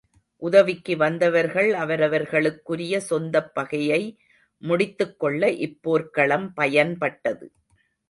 உதவிக்கு வந்தவர்கள் அவரவர் களுக்குரிய சொந்தப் பகையை முடித்துக்கொள்ள இப் போர்க்களம் பயன்பட்டது.